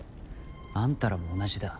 あんたらも同じだ。